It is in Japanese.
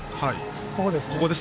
ここですね。